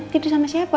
tidur sama siapa